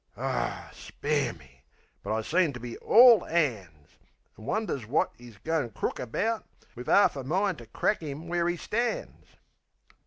(Aw, spare me! But I seemed to be ALL 'ands!) An' wonders wot 'e's goin' crook about, Wiv 'arf a mind to crack 'im where 'e stands.